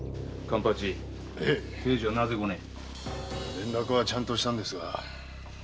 連絡はちゃんとしたんですが。